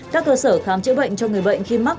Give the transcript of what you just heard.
các cơ sở khám chữa bệnh cho người bệnh khi mắc